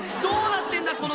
どうなってんだ